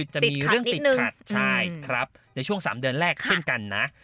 จะมีเรื่องติดขัดใช่ครับในช่วง๓เดือนแรกเช่นกันนะ